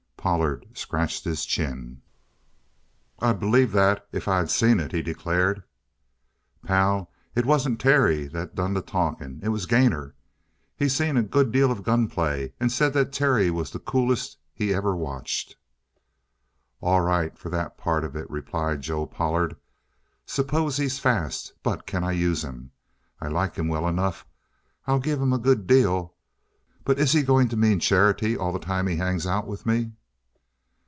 Pollard scratched his chin. "I'd believe that if I seen it," he declared. "Pal, it wasn't Terry that done the talking; it was Gainor. He's seen a good deal of gunplay, and said that Terry's was the coolest he ever watched." "All right for that part of it," said Joe Pollard. "Suppose he's fast but can I use him? I like him well enough; I'll give him a good deal; but is he going to mean charity all the time he hangs out with me?"